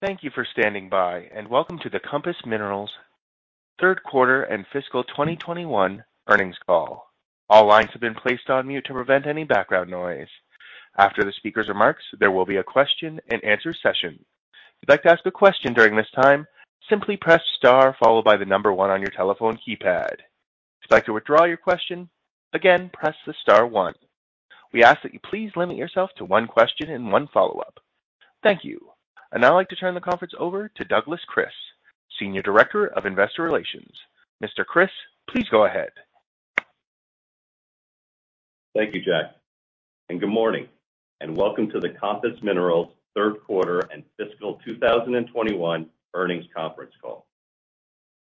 Thank you for standing by and welcome to the Compass Minerals third quarter and fiscal 2021 earnings call. All lines have been placed on mute to prevent any background noise. After the speaker's remarks, there will be a question-and-answer session. If you'd like to ask a question during this time, simply press star followed by the number 1 on your telephone keypad. If you'd like to withdraw your question, again, press the star 1. We ask that you please limit yourself to one question and one follow-up. Thank you. I'd now like to turn the conference over to Douglas Kris, Senior Director of Investor Relations. Mr. Kris, please go ahead. Thank you, Jack, and good morning and welcome to the Compass Minerals third quarter and fiscal 2021 earnings conference call.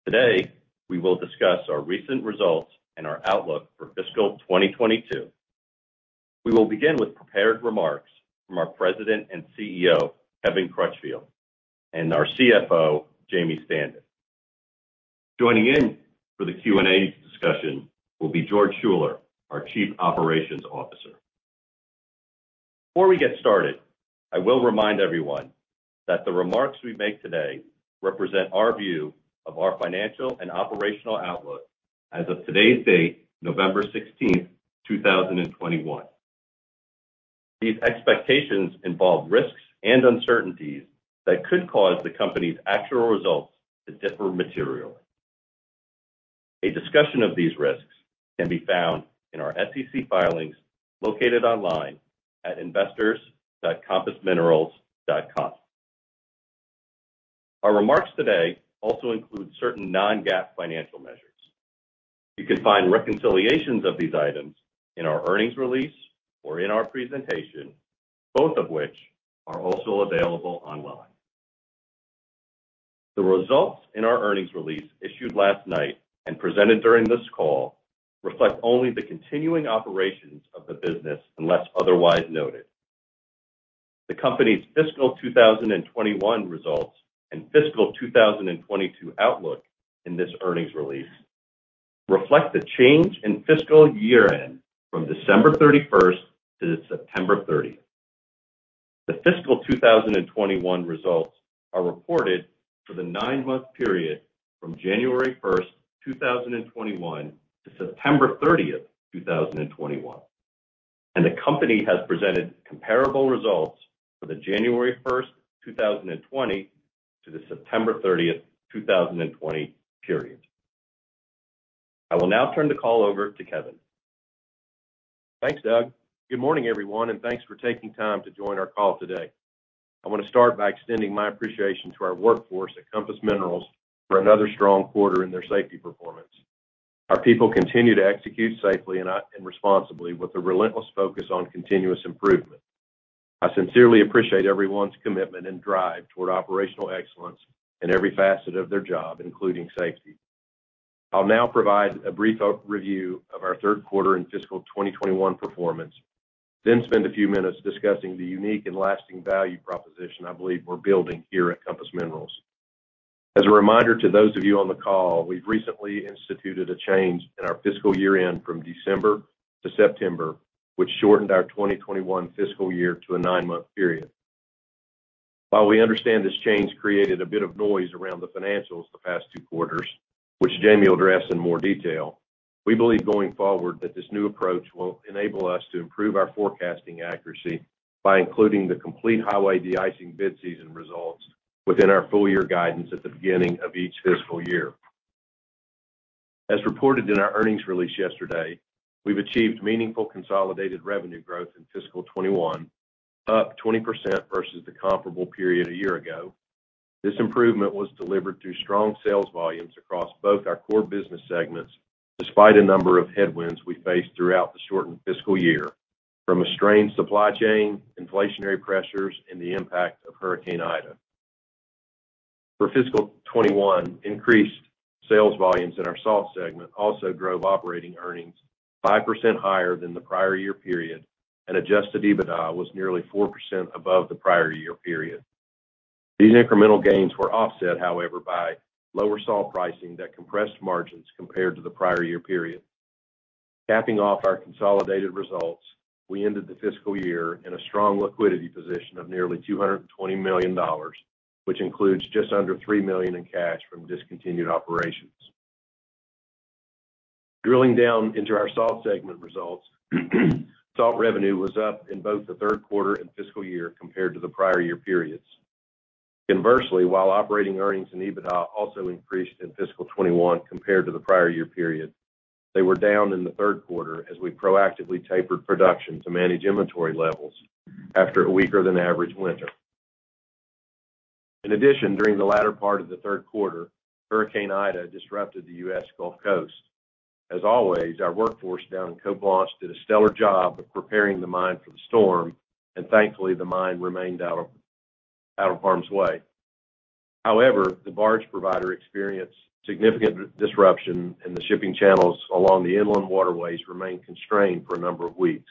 Today, we will discuss our recent results and our outlook for fiscal 2022. We will begin with prepared remarks from our President and CEO, Kevin Crutchfield, and our CFO, Jamie Standen. Joining in for the Q&A discussion will be George Schuller, our Chief Operations Officer. Before we get started, I will remind everyone that the remarks we make today represent our view of our financial and operational outlook as of today's date, November 16, 2021. These expectations involve risks and uncertainties that could cause the company's actual results to differ materially. A discussion of these risks can be found in our SEC filings located online at investors.compassminerals.com. Our remarks today also include certain non-GAAP financial measures. You can find reconciliations of these items in our earnings release or in our presentation, both of which are also available online. The results in our earnings release issued last night and presented during this call reflect only the continuing operations of the business, unless otherwise noted. The company's fiscal 2021 results and fiscal 2022 outlook in this earnings release reflect the change in fiscal year-end from December 31 to September 30. The fiscal 2021 results are reported for the nine-month period from January 1, 2021 to September 30, 2021. The company has presented comparable results for the January 1, 2020 to the September 30, 2020 period. I will now turn the call over to Kevin. Thanks, Doug. Good morning, everyone, and thanks for taking time to join our call today. I want to start by extending my appreciation to our workforce at Compass Minerals for another strong quarter in their safety performance. Our people continue to execute safely and responsibly with a relentless focus on continuous improvement. I sincerely appreciate everyone's commitment and drive toward operational excellence in every facet of their job, including safety. I'll now provide a brief review of our third quarter and fiscal 2021 performance, then spend a few minutes discussing the unique and lasting value proposition I believe we're building here at Compass Minerals. As a reminder to those of you on the call, we've recently instituted a change in our fiscal year-end from December to September, which shortened our 2021 fiscal year to a 9-month period. While we understand this change created a bit of noise around the financials the past two quarters, which Jamie will address in more detail, we believe going forward that this new approach will enable us to improve our forecasting accuracy by including the complete Highway Deicing bid season results within our full-year guidance at the beginning of each fiscal year. As reported in our earnings release yesterday, we've achieved meaningful consolidated revenue growth in fiscal 2021, up 20% versus the comparable period a year ago. This improvement was delivered through strong sales volumes across both our core business segments, despite a number of headwinds we faced throughout the shortened fiscal year, from a strained supply chain, inflationary pressures, and the impact of Hurricane Ida. For fiscal 2021, increased sales volumes in our salt segment also drove operating earnings 5% higher than the prior year period and adjusted EBITDA was nearly 4% above the prior year period. These incremental gains were offset, however, by lower salt pricing that compressed margins compared to the prior year period. Capping off our consolidated results, we ended the fiscal year in a strong liquidity position of nearly $220 million, which includes just under $3 million in cash from discontinued operations. Drilling down into our salt segment results, salt revenue was up in both the third quarter and fiscal year compared to the prior year periods. Inversely, while operating earnings and EBITDA also increased in fiscal 2021 compared to the prior year period, they were down in the third quarter as we proactively tapered production to manage inventory levels after a weaker than average winter. In addition, during the latter part of the third quarter, Hurricane Ida disrupted the U.S. Gulf Coast. As always, our workforce down in Cote Blanche did a stellar job of preparing the mine for the storm, and thankfully, the mine remained out of harm's way. However, the barge provider experienced significant disruption in the shipping channels. The shipping channels along the inland waterways remained constrained for a number of weeks.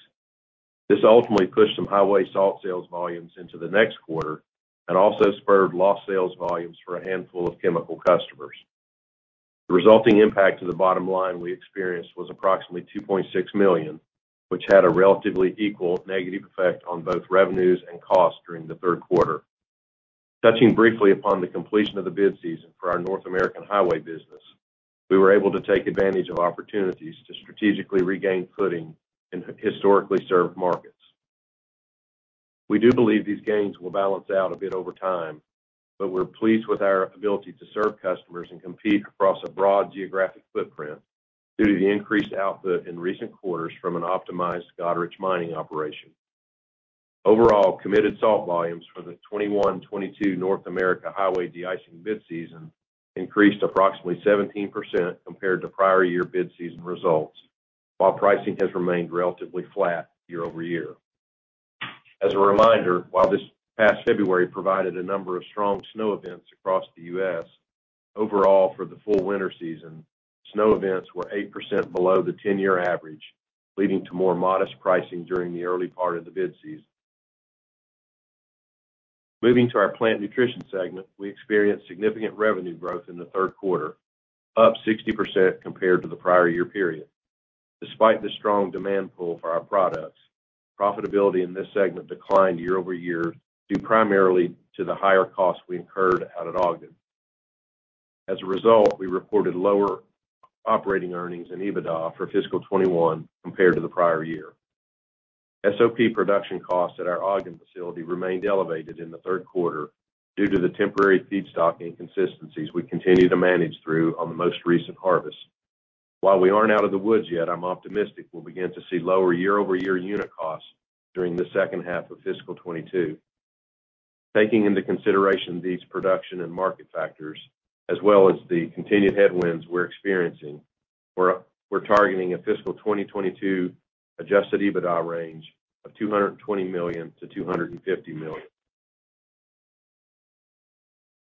This ultimately pushed some highway salt sales volumes into the next quarter and also spurred lost sales volumes for a handful of chemical customers. The resulting impact to the bottom line we experienced was approximately $2.6 million, which had a relatively equal negative effect on both revenues and costs during the third quarter. Touching briefly upon the completion of the bid season for our North American highway business, we were able to take advantage of opportunities to strategically regain footing in historically served markets. We do believe these gains will balance out a bit over time, but we're pleased with our ability to serve customers and compete across a broad geographic footprint due to the increased output in recent quarters from an optimized Goderich mining operation. Overall, committed salt volumes for the 2021-2022 North America highway de-icing bid season increased approximately 17% compared to prior year bid season results, while pricing has remained relatively flat year-over-year. As a reminder, while this past February provided a number of strong snow events across the U.S., overall for the full winter season, snow events were 8% below the 10-year average, leading to more modest pricing during the early part of the bid season. Moving to our Plant Nutrition segment, we experienced significant revenue growth in the third quarter, up 60% compared to the prior year period. Despite the strong demand pull for our products, profitability in this segment declined year-over-year, due primarily to the higher cost we incurred out at Ogden. As a result, we reported lower operating earnings in EBITDA for fiscal 2021 compared to the prior year. SOP production costs at our Ogden facility remained elevated in the third quarter due to the temporary feedstock inconsistencies we continue to manage through on the most recent harvest. While we aren't out of the woods yet, I'm optimistic we'll begin to see lower year-over-year unit costs during the second half of fiscal 2022. Taking into consideration these production and market factors, as well as the continued headwinds we're experiencing, we're targeting a fiscal 2022 adjusted EBITDA range of $220 million-$250 million.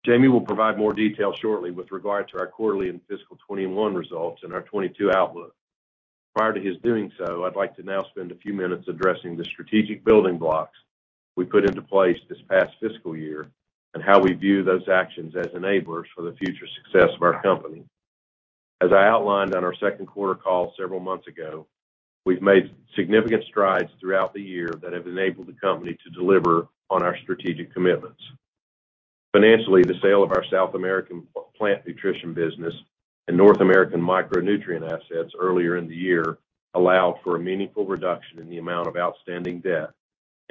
Jamie will provide more detail shortly with regard to our quarterly and fiscal 2021 results and our 2022 outlook. Prior to his doing so, I'd like to now spend a few minutes addressing the strategic building blocks we put into place this past fiscal year and how we view those actions as enablers for the future success of our company. As I outlined on our second quarter call several months ago, we've made significant strides throughout the year that have enabled the company to deliver on our strategic commitments. Financially, the sale of our South American Plant Nutrition business and North American micronutrient assets earlier in the year allowed for a meaningful reduction in the amount of outstanding debt,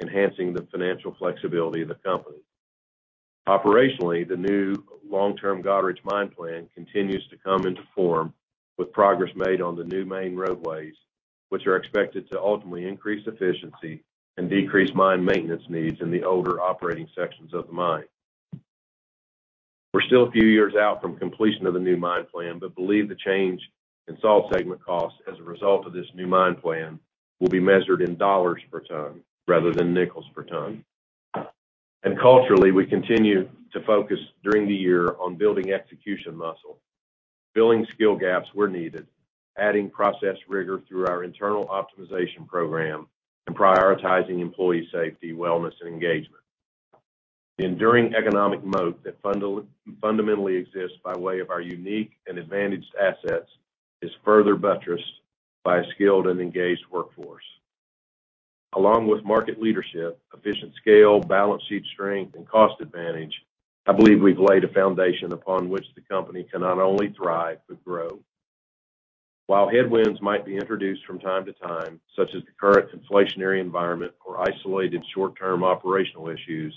enhancing the financial flexibility of the company. Operationally, the new long-term Goderich mine plan continues to come into form with progress made on the new main roadways, which are expected to ultimately increase efficiency and decrease mine maintenance needs in the older operating sections of the mine. We're still a few years out from completion of the new mine plan, but believe the change in salt segment costs as a result of this new mine plan will be measured in dollars per ton rather than nickels per ton. Culturally, we continue to focus during the year on building execution muscle, filling skill gaps where needed, adding process rigor through our internal optimization program, and prioritizing employee safety, wellness, and engagement. The enduring economic moat that fundamentally exists by way of our unique and advantaged assets is further buttressed by a skilled and engaged workforce. Along with market leadership, efficient scale, balance sheet strength, and cost advantage, I believe we've laid a foundation upon which the company can not only thrive, but grow. While headwinds might be introduced from time to time, such as the current inflationary environment or isolated short-term operational issues,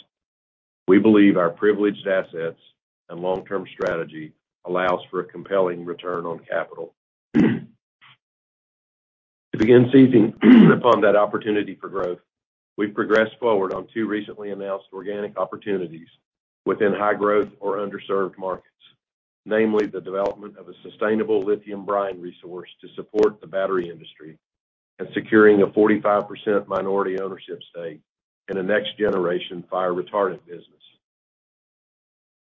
we believe our privileged assets and long-term strategy allows for a compelling return on capital. To begin seizing upon that opportunity for growth, we've progressed forward on two recently announced organic opportunities within high-growth or underserved markets. Namely, the development of a sustainable lithium brine resource to support the battery industry and securing a 45% minority ownership stake in the next generation fire retardant business.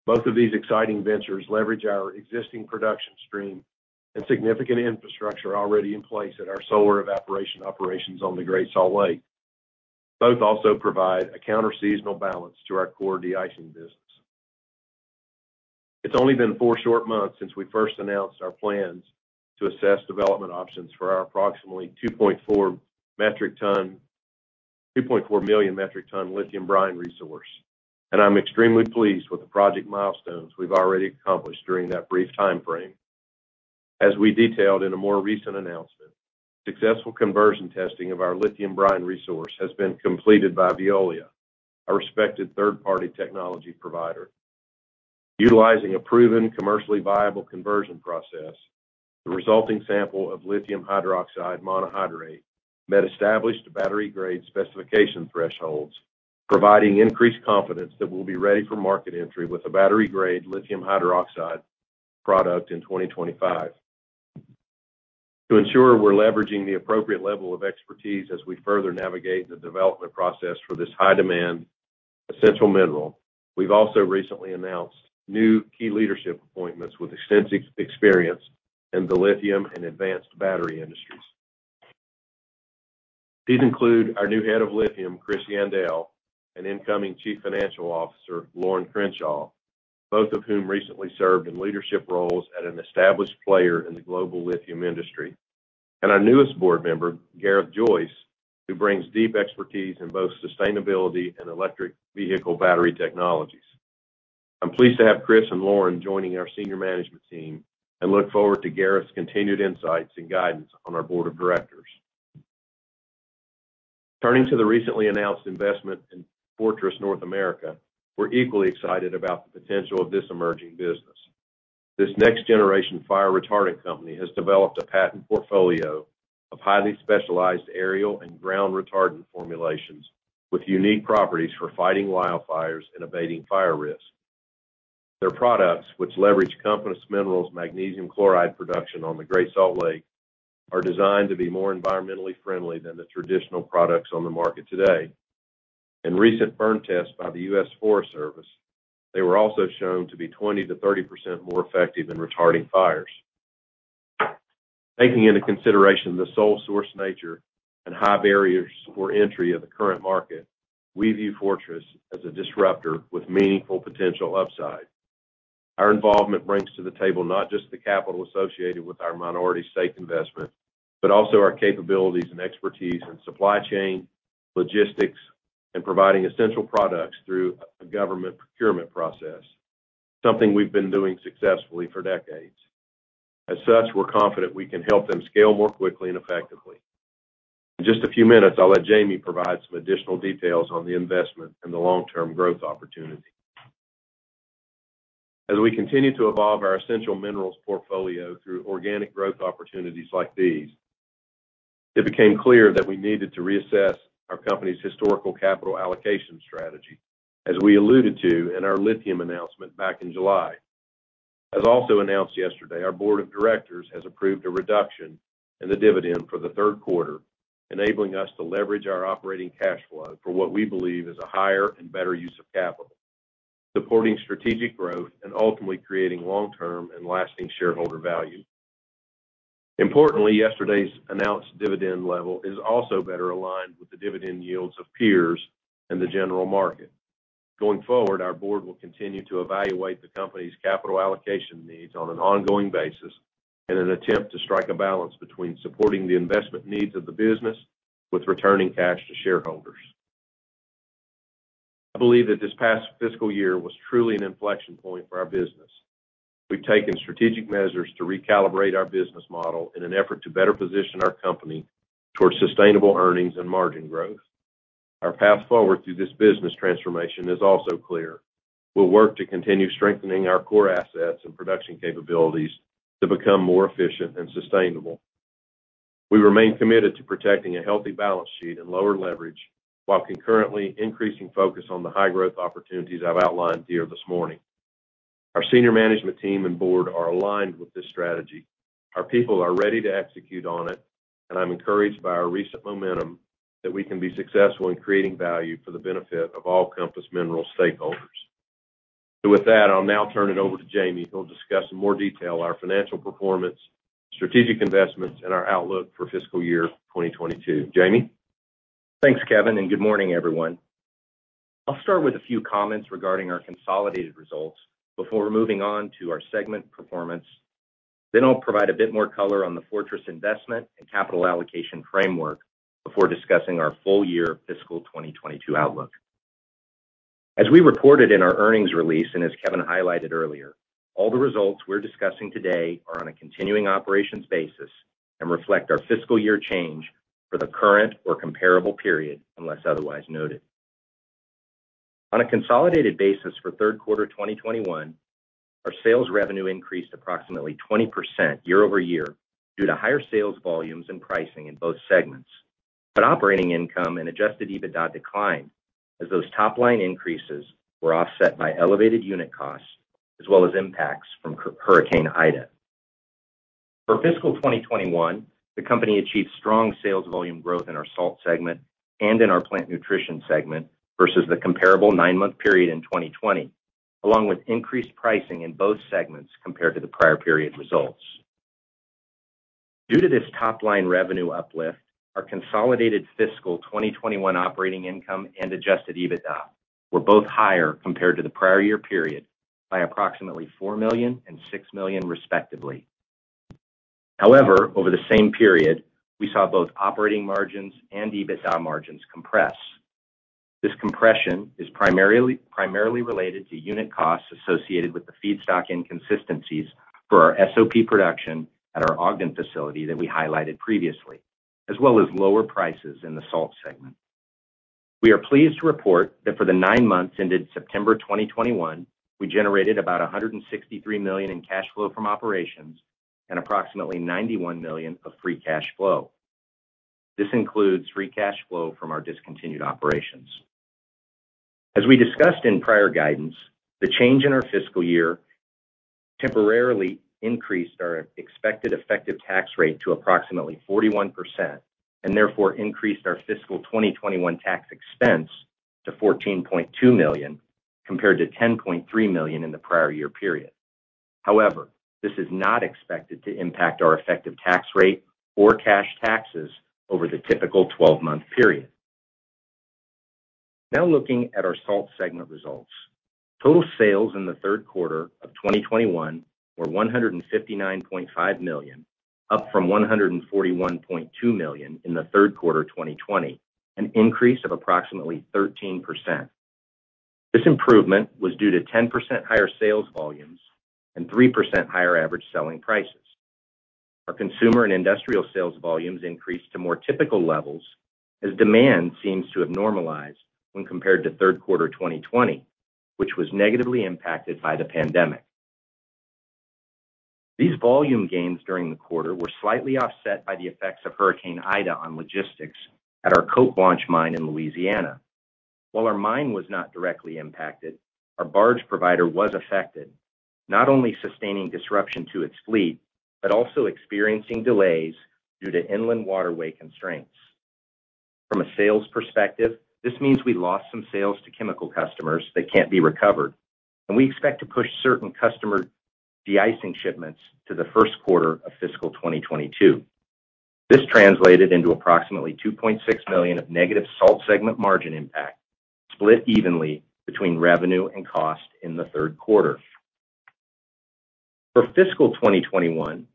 Both of these exciting ventures leverage our existing production stream and significant infrastructure already in place at our solar evaporation operations on the Great Salt Lake. Both also provide a counter-seasonal balance to our core de-icing business. It's only been four short months since we first announced our plans to assess development options for our approximately 2.4 metric ton... 2.4 million metric ton lithium brine resource, and I'm extremely pleased with the project milestones we've already accomplished during that brief time frame. As we detailed in a more recent announcement, successful conversion testing of our lithium brine resource has been completed by Veolia, a respected third-party technology provider. Utilizing a proven, commercially viable conversion process, the resulting sample of lithium hydroxide monohydrate met established battery grade specification thresholds, providing increased confidence that we'll be ready for market entry with a battery-grade lithium hydroxide product in 2025. To ensure we're leveraging the appropriate level of expertise as we further navigate the development process for this high-demand, essential mineral, we've also recently announced new key leadership appointments with extensive experience in the lithium and advanced battery industries. These include our new Head of Lithium, Chris Yandell, and incoming Chief Financial Officer, Lorin Crenshaw, both of whom recently served in leadership roles at an established player in the global lithium industry. Our newest Board Member, Gareth Joyce, who brings deep expertise in both sustainability and electric vehicle battery technologies. I'm pleased to have Chris and Lorin joining our senior management team and look forward to Gareth's continued insights and guidance on our board of directors. Turning to the recently announced investment in Fortress North America, we're equally excited about the potential of this emerging business. This next-generation fire retardant company has developed a patent portfolio of highly specialized aerial and ground retardant formulations with unique properties for fighting wildfires and abating fire risk. Their products, which leverage Compass Minerals' magnesium chloride production on the Great Salt Lake, are designed to be more environmentally friendly than the traditional products on the market today. In recent burn tests by the U.S. Forest Service, they were also shown to be 20%-30% more effective in retarding fires. Taking into consideration the sole source nature and high barriers for entry of the current market, we view Fortress North America as a disruptor with meaningful potential upside. Our involvement brings to the table not just the capital associated with our minority stake investment, but also our capabilities and expertise in supply chain, logistics, and providing essential products through a government procurement process, something we've been doing successfully for decades. As such, we're confident we can help them scale more quickly and effectively. In just a few minutes, I'll let Jamie provide some additional details on the investment and the long-term growth opportunity. As we continue to evolve our essential minerals portfolio through organic growth opportunities like these, it became clear that we needed to reassess our company's historical capital allocation strategy, as we alluded to in our lithium announcement back in July. As also announced yesterday, our board of directors has approved a reduction in the dividend for the third quarter, enabling us to leverage our operating cash flow for what we believe is a higher and better use of capital, supporting strategic growth and ultimately creating long-term and lasting shareholder value. Importantly, yesterday's announced dividend level is also better aligned with the dividend yields of peers in the general market. Going forward, our board will continue to evaluate the company's capital allocation needs on an ongoing basis in an attempt to strike a balance between supporting the investment needs of the business with returning cash to shareholders. I believe that this past fiscal year was truly an inflection point for our business. We've taken strategic measures to recalibrate our business model in an effort to better position our company towards sustainable earnings and margin growth. Our path forward through this business transformation is also clear. We'll work to continue strengthening our core assets and production capabilities to become more efficient and sustainable. We remain committed to protecting a healthy balance sheet and lower leverage while concurrently increasing focus on the high-growth opportunities I've outlined here this morning. Our senior management team and board are aligned with this strategy. Our people are ready to execute on it, and I'm encouraged by our recent momentum that we can be successful in creating value for the benefit of all Compass Minerals stakeholders. With that, I'll now turn it over to Jamie, who will discuss in more detail our financial performance, strategic investments, and our outlook for fiscal year 2022. Jamie? Thanks, Kevin, and good morning, everyone. I'll start with a few comments regarding our consolidated results before moving on to our segment performance. Then I'll provide a bit more color on the Fortress investment and capital allocation framework before discussing our full year fiscal 2022 outlook. As we reported in our earnings release, and as Kevin highlighted earlier, all the results we're discussing today are on a continuing operations basis and reflect our fiscal year change for the current or comparable period, unless otherwise noted. On a consolidated basis for third quarter 2021, our sales revenue increased approximately 20% year-over-year due to higher sales volumes and pricing in both segments. Operating income and adjusted EBITDA declined as those top-line increases were offset by elevated unit costs as well as impacts from Hurricane Ida. For fiscal 2021, the company achieved strong sales volume growth in our salt segment and in our Plant Nutrition segment versus the comparable nine-month period in 2020, along with increased pricing in both segments compared to the prior period results. Due to this top-line revenue uplift, our consolidated fiscal 2021 operating income and adjusted EBITDA were both higher compared to the prior year period by approximately $4 million and $6 million, respectively. However, over the same period, we saw both operating margins and EBITDA margins compress. This compression is primarily related to unit costs associated with the feedstock inconsistencies for our SOP production at our Ogden facility that we highlighted previously, as well as lower prices in the salt segment. We are pleased to report that for the nine months ended September 2021, we generated about $163 million in cash flow from operations and approximately $91 million of free cash flow. This includes free cash flow from our discontinued operations. As we discussed in prior guidance, the change in our fiscal year temporarily increased our expected effective tax rate to approximately 41% and therefore increased our fiscal 2021 tax expense to $14.2 million, compared to $10.3 million in the prior year period. However, this is not expected to impact our effective tax rate or cash taxes over the typical twelve-month period. Now looking at our Salt segment results. Total sales in the third quarter of 2021 were $159.5 million, up from $141.2 million in the third quarter of 2020, an increase of approximately 13%. This improvement was due to 10% higher sales volumes and 3% higher average selling prices. Our Consumer and Industrial sales volumes increased to more typical levels as demand seems to have normalized when compared to third quarter 2020, which was negatively impacted by the pandemic. These volume gains during the quarter were slightly offset by the effects of Hurricane Ida on logistics at our Cote Blanche mine in Louisiana. While our mine was not directly impacted, our barge provider was affected, not only sustaining disruption to its fleet, but also experiencing delays due to inland waterway constraints. From a sales perspective, this means we lost some sales to chemical customers that can't be recovered, and we expect to push certain customer de-icing shipments to the first quarter of fiscal 2022. This translated into approximately $2.6 million of negative salt segment margin impact, split evenly between revenue and cost in the third quarter. For fiscal 2021,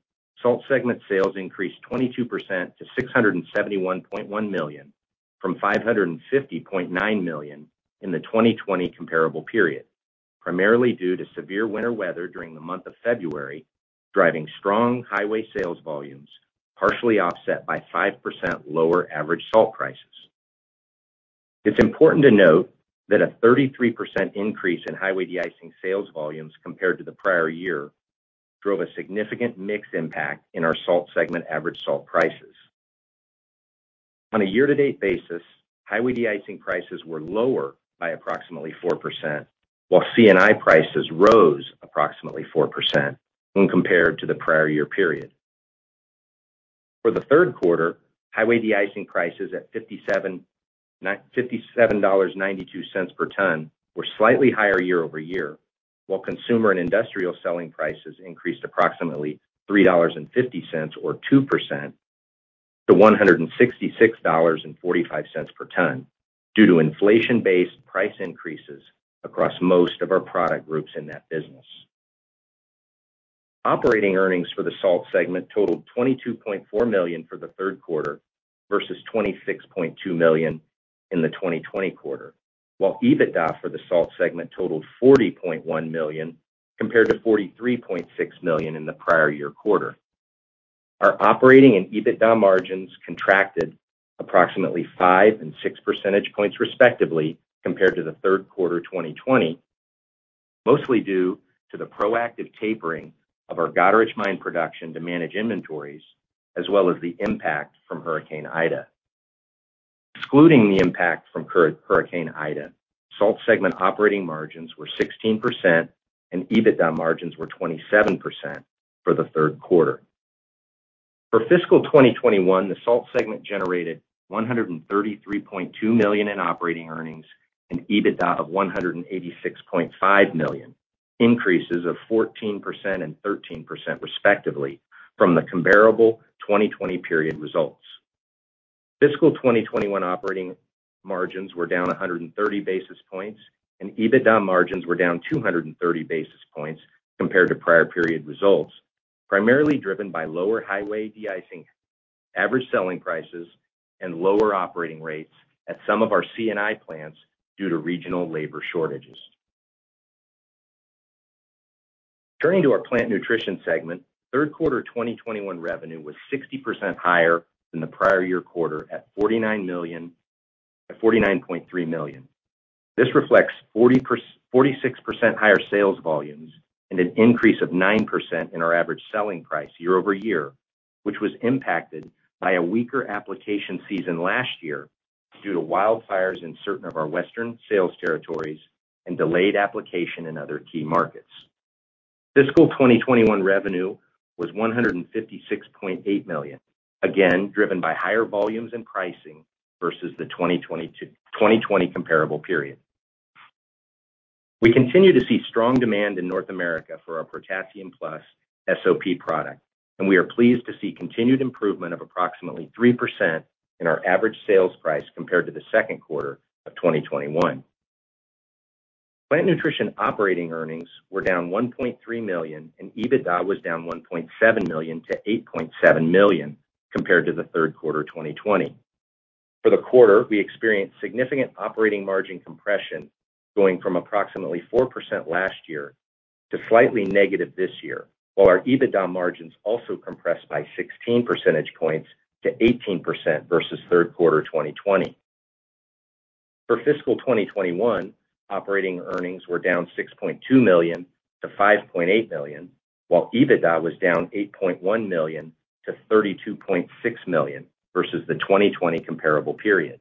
salt segment sales increased 22% to $671.1 million from $550.9 million in the 2020 comparable period, primarily due to severe winter weather during the month of February, driving strong highway sales volumes partially offset by 5% lower average salt prices. It's important to note that a 33% increase in highway de-icing sales volumes compared to the prior year drove a significant mix impact in our salt segment average salt prices. On a year-to-date basis, Highway Deicing prices were lower by approximately 4%, while C&I prices rose approximately 4% when compared to the prior year period. For the third quarter, Highway Deicing prices at $57.92 per ton were slightly higher year-over-year, while consumer and industrial selling prices increased approximately $3.50 or 2% to $166.45 per ton due to inflation-based price increases across most of our product groups in that business. Operating earnings for the salt segment totaled $22.4 million for the third quarter versus $26.2 million in the 2020 quarter, while EBITDA for the salt segment totaled $40.1 million compared to $43.6 million in the prior year quarter. Our operating and EBITDA margins contracted approximately 5% and 6% points, respectively, compared to the third quarter 2020, mostly due to the proactive tapering of our Goderich mine production to manage inventories as well as the impact from Hurricane Ida. Excluding the impact from Hurricane Ida, salt segment operating margins were 16% and EBITDA margins were 27% for the third quarter. For fiscal 2021, the salt segment generated $133.2 million in operating earnings and EBITDA of $186.5 million, increases of 14% and 13% respectively from the comparable 2020 period results. Fiscal 2021 operating margins were down 130 basis points, and EBITDA margins were down 230 basis points compared to prior period results, primarily driven by lower Highway Deicing average selling prices and lower operating rates at some of our C&I plants due to regional labor shortages. Turning to our Plant Nutrition segment, third quarter 2021 revenue was 60% higher than the prior-year quarter at $49.3 million. This reflects 46% higher sales volumes and an increase of 9% in our average selling price year-over-year, which was impacted by a weaker application season last year due to wildfires in certain of our western sales territories and delayed application in other key markets. Fiscal 2021 revenue was $156.8 million, again driven by higher volumes in pricing versus the 2020 comparable period. We continue to see strong demand in North America for our Potassium Plus SOP product, and we are pleased to see continued improvement of approximately 3% in our average sales price compared to the second quarter of 2021. Plant Nutrition operating earnings were down $1.3 million and EBITDA was down $1.7 million to $8.7 million compared to the third quarter 2020. For the quarter, we experienced significant operating margin compression going from approximately 4% last year to slightly negative this year, while our EBITDA margins also compressed by 16% points to 18% versus third quarter 2020. For fiscal 2021, operating earnings were down $6.2 million to $5.8 million, while EBITDA was down $8.1 million to $32.6 million versus the 2020 comparable period.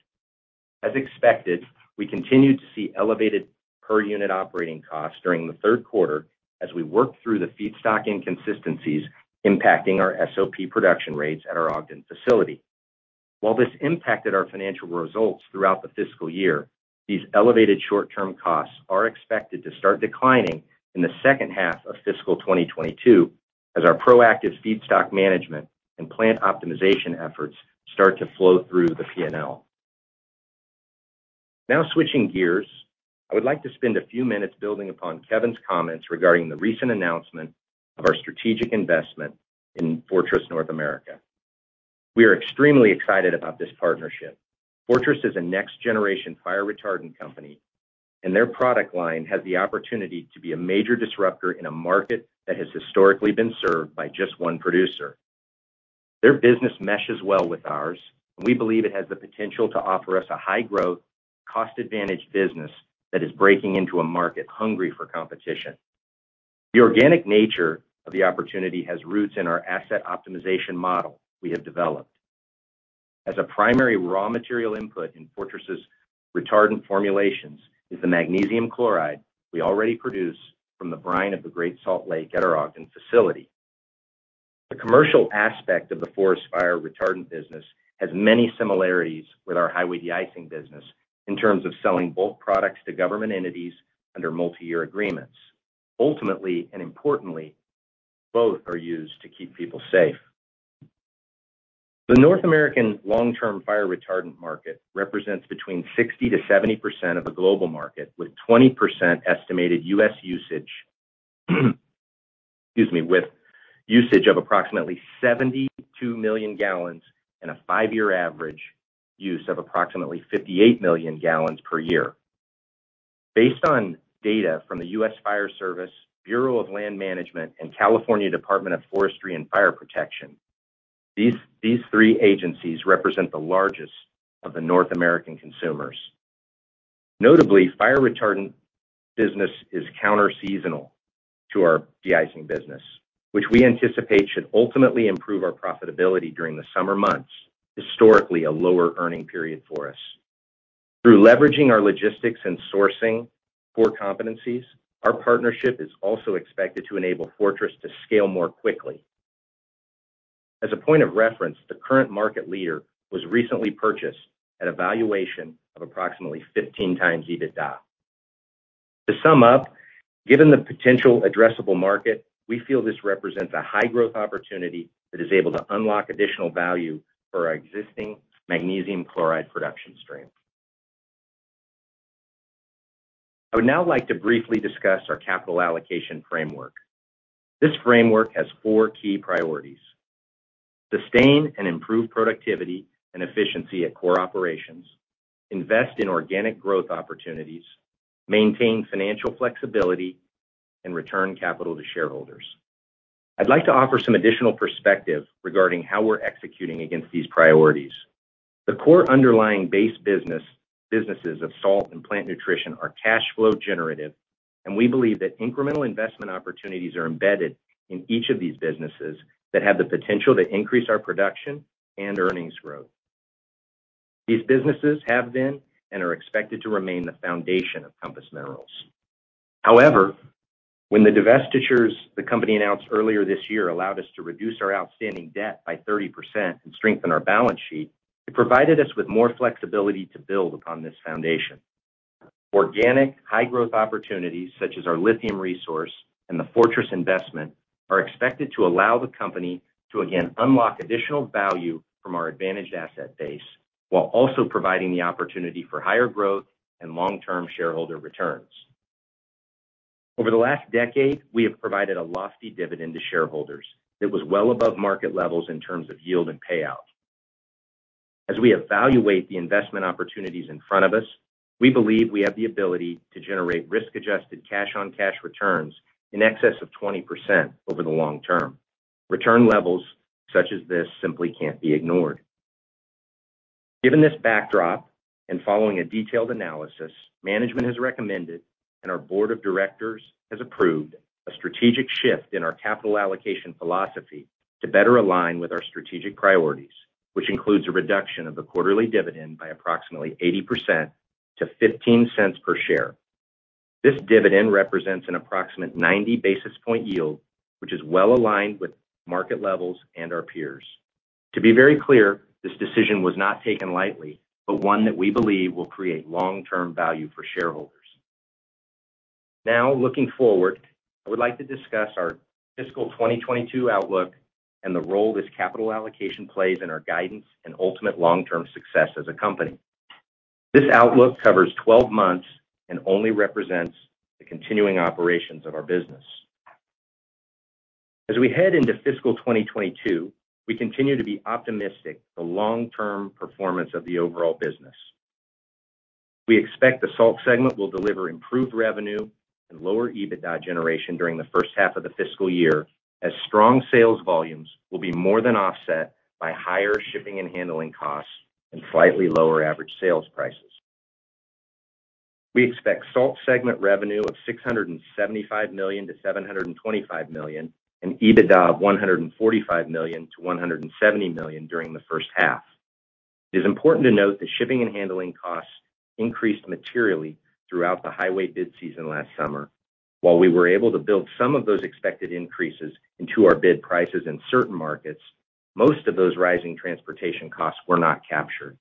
As expected, we continued to see elevated per unit operating costs during the third quarter as we worked through the feedstock inconsistencies impacting our SOP production rates at our Ogden facility. While this impacted our financial results throughout the fiscal year, these elevated short-term costs are expected to start declining in the second half of fiscal 2022 as our proactive feedstock management and plant optimization efforts start to flow through the P&L. Now switching gears, I would like to spend a few minutes building upon Kevin's comments regarding the recent announcement of our strategic investment in Fortress North America. We are extremely excited about this partnership. Fortress is a next-generation fire retardant company, and their product line has the opportunity to be a major disruptor in a market that has historically been served by just one producer. Their business meshes well with ours. We believe it has the potential to offer us a high-growth, cost-advantaged business that is breaking into a market hungry for competition. The organic nature of the opportunity has roots in our asset optimization model we have developed. As a primary raw material input in Fortress' retardant formulations is the magnesium chloride we already produce from the brine of the Great Salt Lake at our Ogden facility. The commercial aspect of the forest fire retardant business has many similarities with our highway de-icing business in terms of selling bulk products to government entities under multiyear agreements. Ultimately, and importantly, both are used to keep people safe. The North American long-term fire retardant market represents between 60%-70% of the global market, excuse me, with usage of approximately 72 million gallons and a 5-year average use of approximately 58 million gallons per year. Based on data from the U.S. Forest Service, Bureau of Land Management, and California Department of Forestry and Fire Protection, these three agencies represent the largest of the North American consumers. Notably, fire retardant business is counterseasonal to our de-icing business, which we anticipate should ultimately improve our profitability during the summer months, historically a lower earning period for us. Through leveraging our logistics and sourcing core competencies, our partnership is also expected to enable Fortress to scale more quickly. As a point of reference, the current market leader was recently purchased at a valuation of approximately 15x EBITDA. To sum up, given the potential addressable market, we feel this represents a high-growth opportunity that is able to unlock additional value for our existing magnesium chloride production stream. I would now like to briefly discuss our capital allocation framework. This framework has four key priorities, sustain and improve productivity and efficiency at core operations, invest in organic growth opportunities, maintain financial flexibility, and return capital to shareholders. I'd like to offer some additional perspective regarding how we're executing against these priorities. The core underlying base businesses of salt and Plant Nutrition are cash flow generative, and we believe that incremental investment opportunities are embedded in each of these businesses that have the potential to increase our production and earnings growth. These businesses have been and are expected to remain the foundation of Compass Minerals. However, when the divestitures the company announced earlier this year allowed us to reduce our outstanding debt by 30% and strengthen our balance sheet, it provided us with more flexibility to build upon this foundation. Organic high-growth opportunities such as our lithium resource and the Fortress investment are expected to allow the company to again unlock additional value from our advantaged asset base while also providing the opportunity for higher growth and long-term shareholder returns. Over the last decade, we have provided a lofty dividend to shareholders that was well above market levels in terms of yield and payout. As we evaluate the investment opportunities in front of us, we believe we have the ability to generate risk-adjusted cash-on-cash returns in excess of 20% over the long term. Return levels such as this simply can't be ignored. Given this backdrop and following a detailed analysis, management has recommended and our board of directors has approved a strategic shift in our capital allocation philosophy to better align with our strategic priorities, which includes a reduction of the quarterly dividend by approximately 80% to $0.15 per share. This dividend represents an approximate 90 basis point yield, which is well-aligned with market levels and our peers. To be very clear, this decision was not taken lightly, but one that we believe will create long-term value for shareholders. Now, looking forward, I would like to discuss our fiscal 2022 outlook and the role this capital allocation plays in our guidance and ultimate long-term success as a company. This outlook covers 12 months and only represents the continuing operations of our business. As we head into fiscal 2022, we continue to be optimistic about the long-term performance of the overall business. We expect the salt segment will deliver improved revenue and lower EBITDA generation during the first half of the fiscal year as strong sales volumes will be more than offset by higher shipping and handling costs and slightly lower average sales prices. We expect salt segment revenue of $675 million-$725 million and EBITDA of $145 million-$170 million during the first half. It is important to note that shipping and handling costs increased materially throughout the highway bid season last summer. While we were able to build some of those expected increases into our bid prices in certain markets, most of those rising transportation costs were not captured.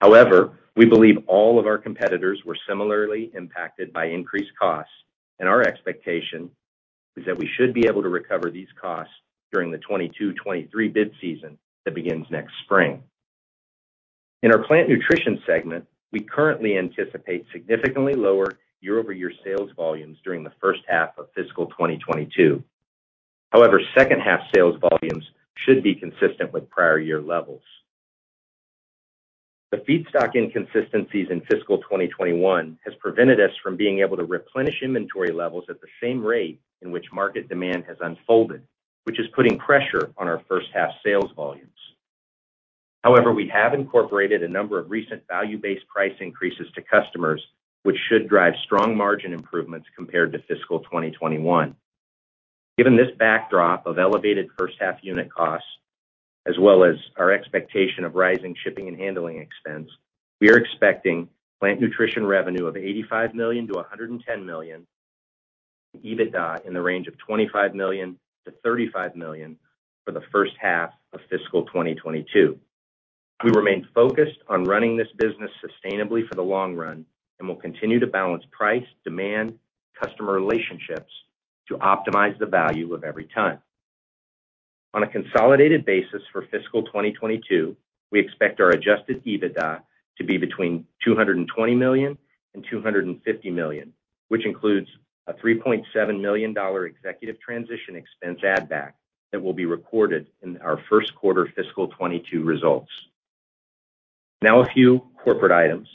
However, we believe all of our competitors were similarly impacted by increased costs, and our expectation is that we should be able to recover these costs during the 2022-2023 bid season that begins next spring. In our Plant Nutrition segment, we currently anticipate significantly lower year-over-year sales volumes during the first half of fiscal 2022. However, second half sales volumes should be consistent with prior year levels. The feedstock inconsistencies in fiscal 2021 has prevented us from being able to replenish inventory levels at the same rate in which market demand has unfolded, which is putting pressure on our first half sales volumes. However, we have incorporated a number of recent value-based price increases to customers, which should drive strong margin improvements compared to fiscal 2021. Given this backdrop of elevated first half unit costs, as well as our expectation of rising shipping and handling expense, we are expecting Plant Nutrition revenue of $85 million-$110 million, EBITDA in the range of $25 million-$35 million for the first half of fiscal 2022. We remain focused on running this business sustainably for the long run and will continue to balance price, demand, customer relationships to optimize the value of every ton. On a consolidated basis for fiscal 2022, we expect our adjusted EBITDA to be between $220 million and $250 million, which includes a $3.7 million executive transition expense add back that will be recorded in our first quarter fiscal 2022 results. Now a few corporate items.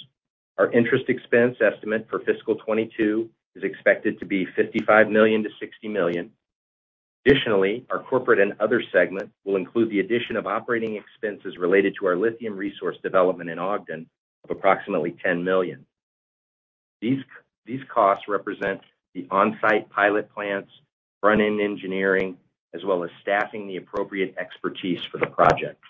Our interest expense estimate for fiscal 2022 is expected to be $55 million-$60 million. Additionally, our corporate and other segment will include the addition of operating expenses related to our lithium resource development in Ogden of approximately $10 million. These costs represent the on-site pilot plants, front-end engineering, as well as staffing the appropriate expertise for the project.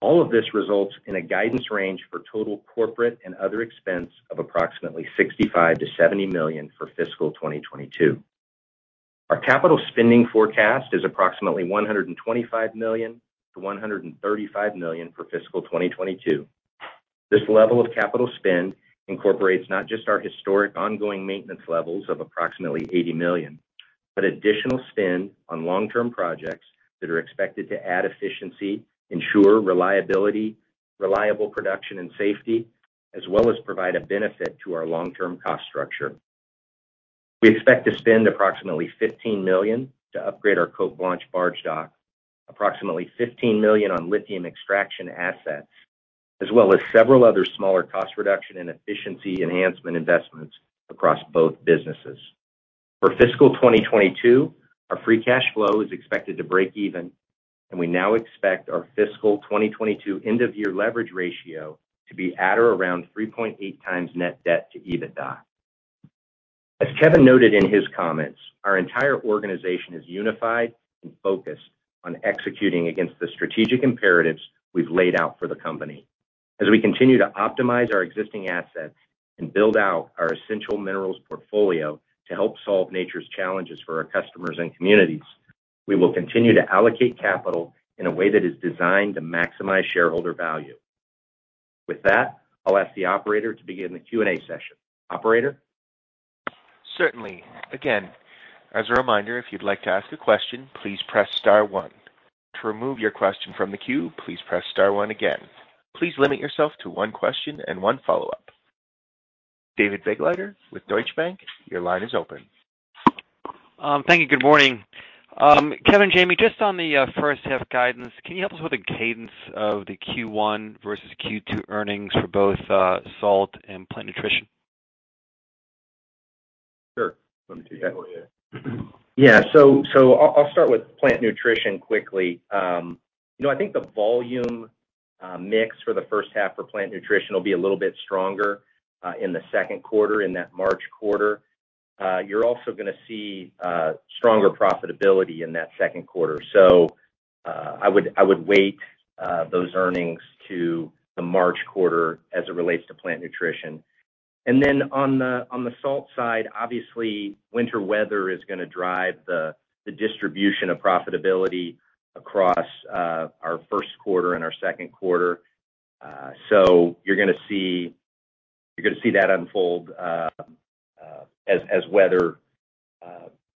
All of this results in a guidance range for total corporate and other expense of approximately $65 million-$70 million for fiscal 2022. Our capital spending forecast is approximately $125 million-$135 million for fiscal 2022. This level of capital spend incorporates not just our historic ongoing maintenance levels of approximately $80 million, but additional spend on long-term projects that are expected to add efficiency, ensure reliability, reliable production and safety, as well as provide a benefit to our long-term cost structure. We expect to spend approximately $15 million to upgrade our Cote Blanche barge dock, approximately $15 million on lithium extraction assets, as well as several other smaller cost reduction and efficiency enhancement investments across both businesses. For fiscal 2022, our free cash flow is expected to break even, and we now expect our fiscal 2022 end-of-year leverage ratio to be at or around 3.8x net debt to EBITDA. As Kevin noted in his comments, our entire organization is unified and focused on executing against the strategic imperatives we've laid out for the company. As we continue to optimize our existing assets and build out our essential minerals portfolio to help solve nature's challenges for our customers and communities, we will continue to allocate capital in a way that is designed to maximize shareholder value. With that, I'll ask the operator to begin the Q&A session. Operator? Certainly. Again, as a reminder, if you'd like to ask a question, please press star one. To remove your question from the queue, please press star one again. Please limit yourself to one question and one follow-up. David Begleiter with Deutsche Bank, your line is open. Thank you. Good morning. Kevin, Jamie, just on the first half guidance, can you help us with the cadence of the Q1 versus Q2 earnings for both salt and Plant Nutrition? Sure. Let me take that. Yeah. I'll start with Plant Nutrition quickly. You know, I think the volume mix for the first half for Plant Nutrition will be a little bit stronger in the second quarter, in that March quarter. You're also gonna see stronger profitability in that second quarter. I would weight those earnings to the March quarter as it relates to Plant Nutrition. Then on the salt side, obviously, winter weather is gonna drive the distribution of profitability across our first quarter and our second quarter. You're gonna see that unfold as weather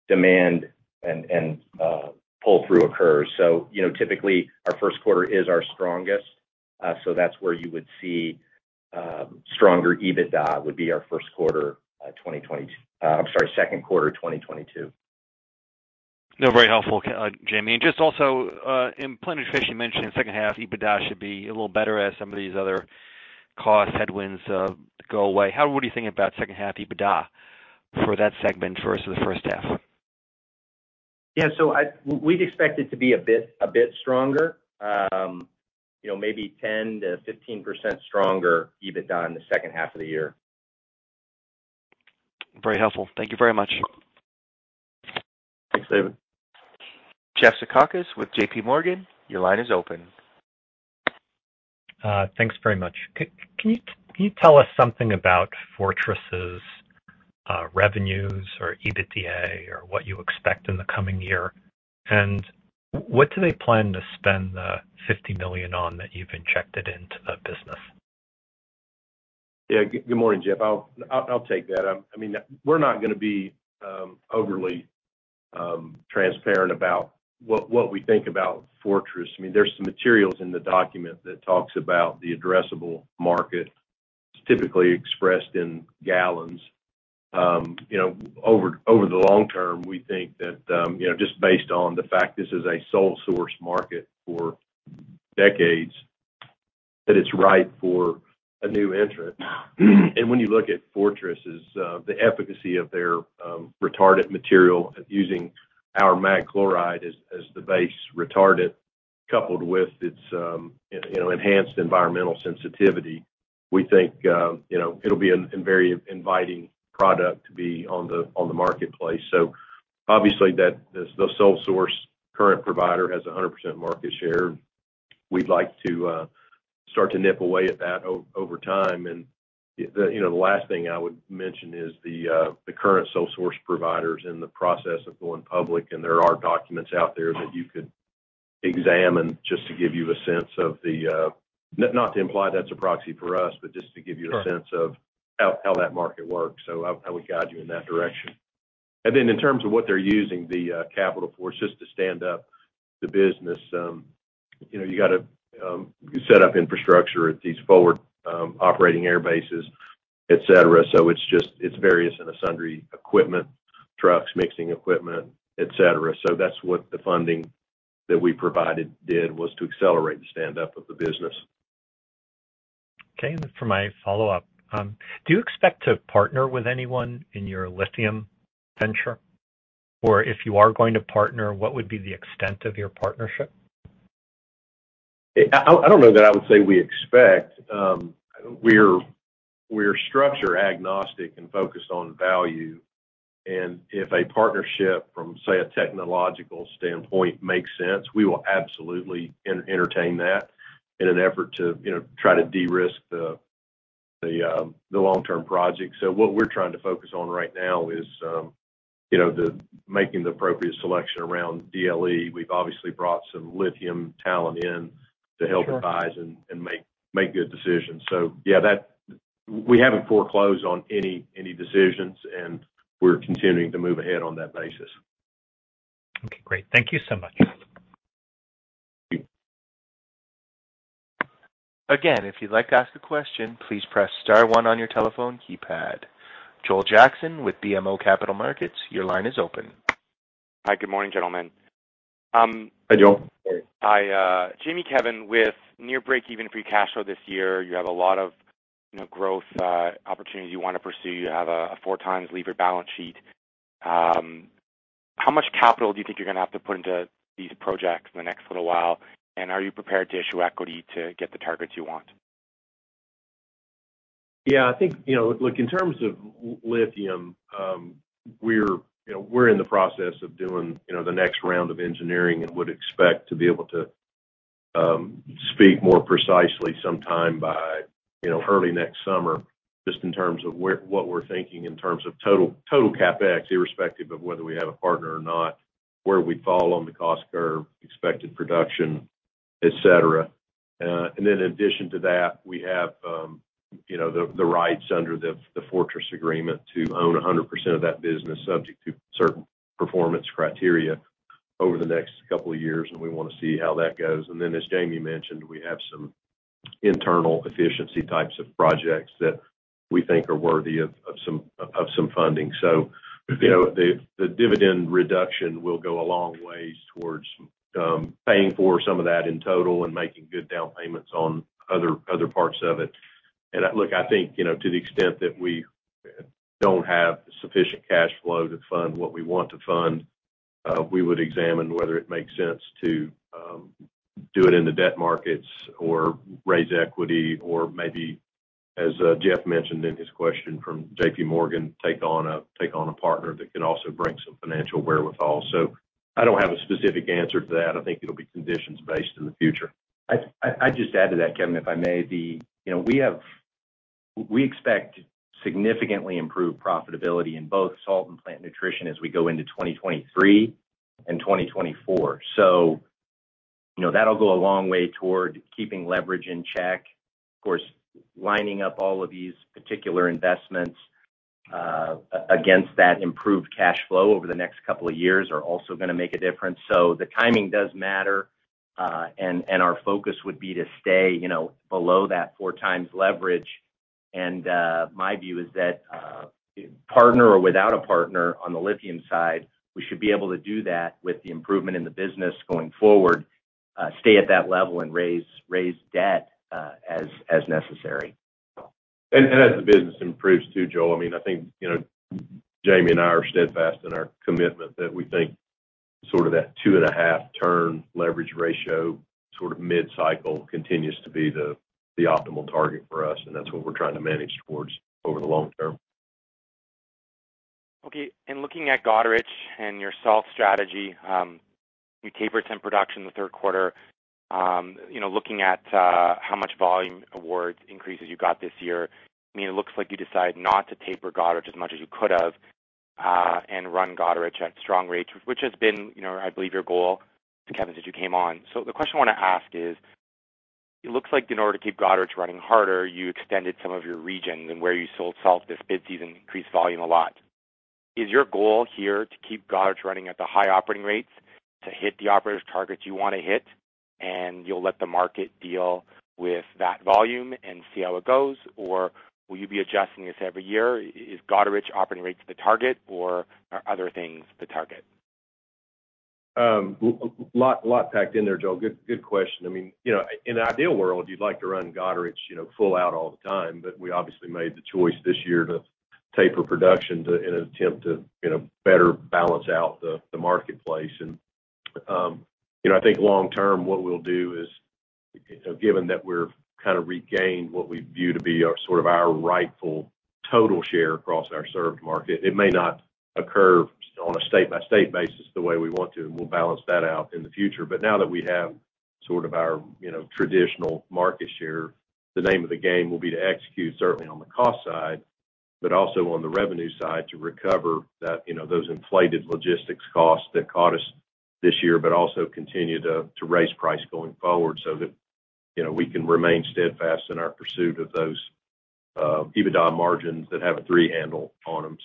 demand and pull-through occurs. You know, typically, our first quarter is our strongest. That's where you would see stronger EBITDA would be our second quarter 2022. No, very helpful. Thank you, Jamie. Just also, in Plant Nutrition, you mentioned in second half, EBITDA should be a little better as some of these other cost headwinds go away. What are you thinking about second half EBITDA for that segment versus the first half? Yeah. We'd expect it to be a bit stronger. You know, maybe 10%-15% stronger EBITDA in the second half of the year. Very helpful. Thank you very much. Thanks, David. Jeff Zekauskas with J.P. Morgan, your line is open. Thanks very much. Can you tell us something about Fortress's revenues or EBITDA or what you expect in the coming year? What do they plan to spend the $50 million on that you've injected into the business? Yeah. Good morning, Jeff. I'll take that. I mean, we're not gonna be overly transparent about what we think about Fortress. I mean, there's some materials in the document that talks about the addressable market. It's typically expressed in gallons. You know, over the long term, we think that you know, just based on the fact this is a sole source market for decades, that it's ripe for a new entrant. When you look at Fortress, the efficacy of their retardant material using our mag chloride as the base retardant coupled with its you know, enhanced environmental sensitivity, we think you know, it'll be a very inviting product to be on the marketplace. Obviously, that the sole source current provider has 100% market share. We'd like to start to nip away at that over time. The, you know, the last thing I would mention is the current sole source provider's in the process of going public, and there are documents out there that you could examine just to give you a sense of the, not to imply that's a proxy for us, but just to give you a sense- Sure. Of how that market works. I would guide you in that direction. Then in terms of what they're using the capital for, it's just to stand up the business. You know, you gotta set up infrastructure at these forward operating airbases, etc. It's just various and sundry equipment, trucks, mixing equipment, etc. That's what the funding that we provided did, was to accelerate the stand up of the business. Okay. For my follow-up, do you expect to partner with anyone in your lithium venture? Or if you are going to partner, what would be the extent of your partnership? I don't know that I would say we expect. We're structure agnostic and focused on value. If a partnership from, say, a technological standpoint makes sense, we will absolutely entertain that in an effort to, you know, try to de-risk the long-term project. What we're trying to focus on right now is, you know, making the appropriate selection around DLE. We've obviously brought some lithium talent in to help- Sure. Advise and make good decisions. Yeah, that we haven't foreclosed on any decisions, and we're continuing to move ahead on that basis. Okay, great. Thank you so much. Thank you. Joel Jackson with BMO Capital Markets, your line is open. Hi, good morning, gentlemen. Hi, Joel. Hi, Jamie, Kevin. With near breakeven free cash flow this year, you have a lot of, you know, growth opportunities you wanna pursue. You have a 4x levered balance sheet. How much capital do you think you're gonna have to put into these projects in the next little while? Are you prepared to issue equity to get the targets you want? Yeah, I think, you know, look, in terms of lithium, you know, we're in the process of doing, you know, the next round of engineering and would expect to be able to speak more precisely sometime by, you know, early next summer, just in terms of where what we're thinking in terms of total CapEx, irrespective of whether we have a partner or not, where we'd fall on the cost curve, expected production, et cetera. Then in addition to that, we have, you know, the rights under the Fortress agreement to own 100% of that business, subject to certain performance criteria over the next couple of years, and we wanna see how that goes. Then, as Jamie mentioned, we have some internal efficiency types of projects that we think are worthy of some funding. You know, the dividend reduction will go a long ways towards paying for some of that in total and making good down payments on other parts of it. Look, I think, you know, to the extent that we don't have sufficient cash flow to fund what we want to fund, we would examine whether it makes sense to do it in the debt markets or raise equity or maybe, as Jeff mentioned in his question from J.P. Morgan, take on a partner that can also bring some financial wherewithal. I don't have a specific answer to that. I think it'll be conditions based in the future. I'd just add to that, Kevin, if I may. You know, we expect significantly improved profitability in both salt and Plant Nutrition as we go into 2023 and 2024. You know, that'll go a long way toward keeping leverage in check. Of course, lining up all of these particular investments against that improved cash flow over the next couple of years are also gonna make a difference. The timing does matter, and our focus would be to stay, you know, below that 4x leverage. My view is that, partner or without a partner on the lithium side, we should be able to do that with the improvement in the business going forward, stay at that level and raise debt as necessary. As the business improves too, Joel, I mean, I think, you know, Jamie and I are steadfast in our commitment that we think sort of that 2.5-turn leverage ratio, sort of mid-cycle continues to be the optimal target for us, and that's what we're trying to manage towards over the long term. Okay. In looking at Goderich and your salt strategy, you tapered some production in the third quarter. You know, looking at how much volume award increases you got this year, I mean, it looks like you decided not to taper Goderich as much as you could have, and run Goderich at strong rates, which has been, you know, I believe your goal, Kevin, since you came on. The question I wanna ask is, it looks like in order to keep Goderich running harder, you extended some of your regions and then where you sold salt this bid season increased volume a lot. Is your goal here to keep Goderich running at the high operating rates to hit the operating targets you wanna hit, and you'll let the market deal with that volume and see how it goes? Or will you be adjusting this every year? Is Goderich operating rates the target or are other things the target? Lot packed in there, Joel. Good question. I mean, you know, in an ideal world, you'd like to run Goderich, you know, full out all the time. But we obviously made the choice this year to taper production in an attempt to, you know, better balance out the marketplace. You know, I think long term, what we'll do is, given that we're kinda regained what we view to be our sort of our rightful total share across our served market, it may not occur on a state-by-state basis the way we want to, and we'll balance that out in the future. Now that we have sort of our, you know, traditional market share, the name of the game will be to execute certainly on the cost side, but also on the revenue side to recover that, you know, those inflated logistics costs that caught us this year, but also continue to raise price going forward so that, you know, we can remain steadfast in our pursuit of those EBITDA margins that have a three handle on them.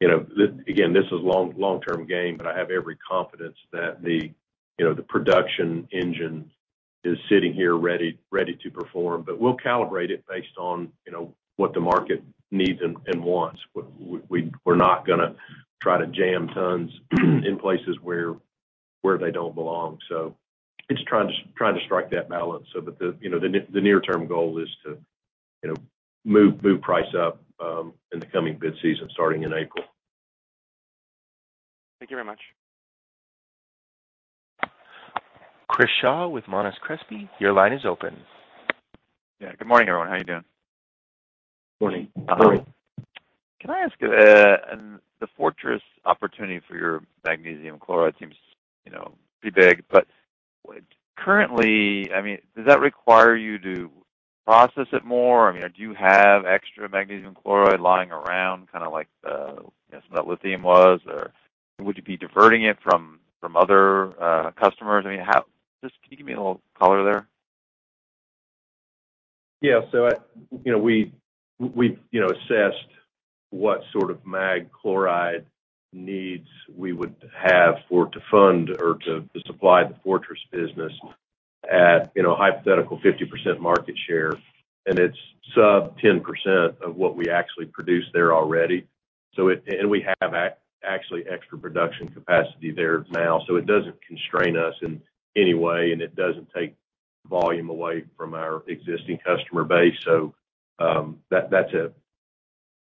You know, again, this is long-term game, but I have every confidence that the, you know, the production engine is sitting here ready to perform. We'll calibrate it based on, you know, what the market needs and wants. We're not gonna try to jam tons in places where they don't belong. It's trying to strike that balance so that the You know, the near-term goal is to, you know, move price up in the coming bid season starting in April. Thank you very much. Chris Shaw with Monness, Crespi, Hardt & Co., your line is open. Yeah. Good morning, everyone. How are you doing? Morning. How are you? Can I ask, the Fortress opportunity for your magnesium chloride seems, you know, pretty big, but currently, I mean, does that require you to process it more? I mean, do you have extra magnesium chloride lying around, kinda like the, some of that lithium was, or would you be diverting it from other customers? I mean, just can you give me a little color there? Yeah. You know, we've you know, assessed what sort of mag chloride needs we would have for it to fund or to supply the Fortress business at a hypothetical 50% market share, and it's sub 10% of what we actually produce there already. We have actually extra production capacity there now, so it doesn't constrain us in any way, and it doesn't take volume away from our existing customer base.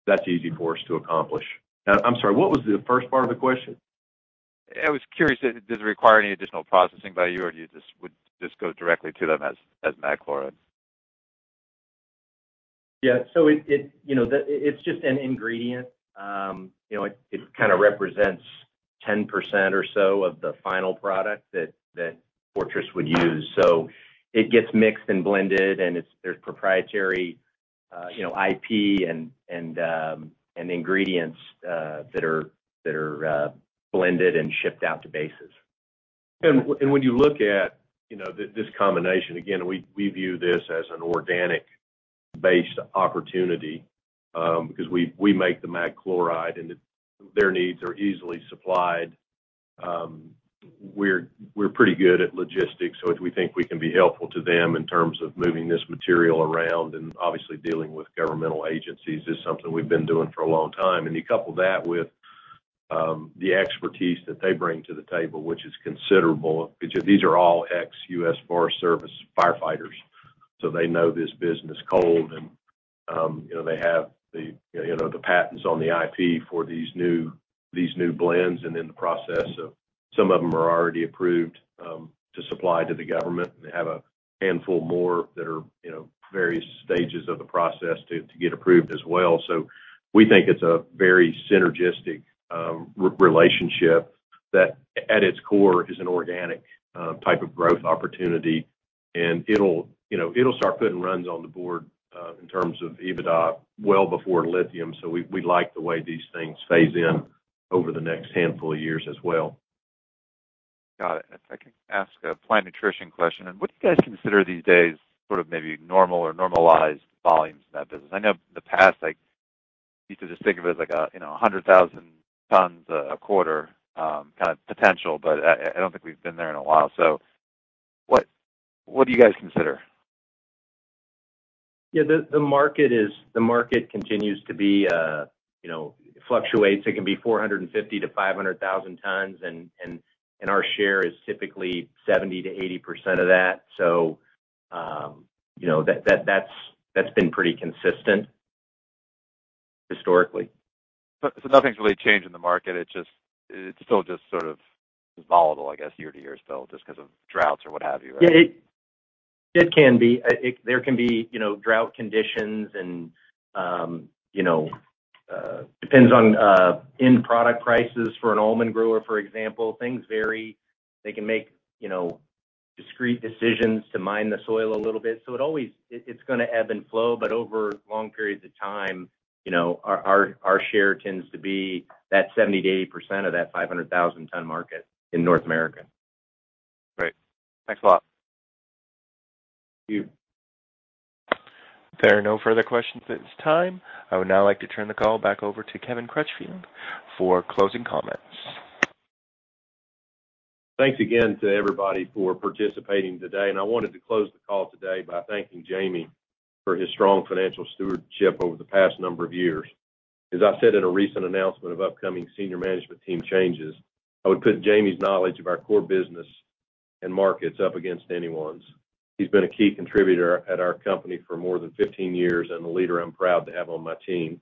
That's easy for us to accomplish. Now, I'm sorry, what was the first part of the question? I was curious, does it require any additional processing by you, or would this go directly to them as mag chloride? Yeah. It's just an ingredient. You know, it kinda represents 10% or so of the final product that Fortress would use. It gets mixed and blended, and there's proprietary, you know, IP and ingredients that are blended and shipped out to bases. When you look at, you know, this combination, again, we view this as an organic-based opportunity, because we make the mag chloride, and their needs are easily supplied. We're pretty good at logistics, so we think we can be helpful to them in terms of moving this material around and obviously dealing with governmental agencies is something we've been doing for a long time. You couple that with the expertise that they bring to the table, which is considerable. These are all ex-U.S. Forest Service firefighters, so they know this business cold. You know, they have the you know the patents on the IP for these new blends and in the process of some of them are already approved to supply to the government, and they have a handful more that are you know various stages of the process to get approved as well. We think it's a very synergistic relationship that at its core is an organic type of growth opportunity. It'll you know start putting runs on the board in terms of EBITDA well before lithium. We like the way these things phase in over the next handful of years as well. Got it. If I can ask a Plant Nutrition question. What do you guys consider these days sort of maybe normal or normalized volumes in that business? I know in the past, like, you could just think of it as like a, you know, 100,000 tons a quarter kind of potential, but I don't think we've been there in a while. What do you guys consider? Yeah. The market continues to be, you know, fluctuates. It can be 450,000-500,000 tons, and our share is typically 70%-80% of that. You know, that's been pretty consistent historically. Nothing's really changed in the market. It's still just sort of volatile, I guess, year to year still just 'cause of droughts or what have you, right? It can be. There can be, you know, drought conditions and, you know, depends on, end product prices for an almond grower, for example. Things vary. They can make, you know, discrete decisions to mine the soil a little bit. It's gonna ebb and flow, but over long periods of time, you know, our share tends to be that 70%-80% of that 500,000-ton market in North America. Great. Thanks a lot. Thank you. If there are no further questions at this time, I would now like to turn the call back over to Kevin Crutchfield for closing comments. Thanks again to everybody for participating today. I wanted to close the call today by thanking James Standen for his strong financial stewardship over the past number of years. As I said in a recent announcement of upcoming Senior Management Team changes, I would put James Standen's knowledge of our core business and markets up against anyone's. He's been a key contributor at our company for more than 15 years and a leader I'm proud to have on my team.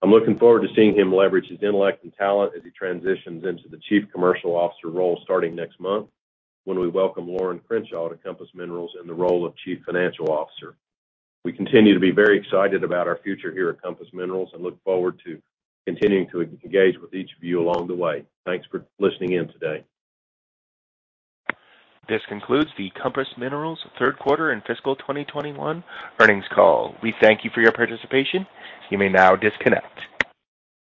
I'm looking forward to seeing him leverage his intellect and talent as he transitions into the Chief Commercial Officer role starting next month when we welcome Lorin Crenshaw to Compass Minerals in the role of Chief Financial Officer. We continue to be very excited about our future here at Compass Minerals and look forward to continuing to engage with each of you along the way. Thanks for listening in today. This concludes the Compass Minerals third quarter and fiscal 2021 earnings call. We thank you for your participation. You may now disconnect.